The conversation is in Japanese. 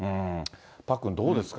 パックン、どうですか？